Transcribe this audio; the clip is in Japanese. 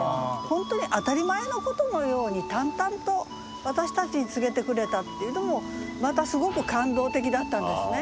本当に当たり前のことのように淡々と私たちに告げてくれたっていうのもまたすごく感動的だったんですね。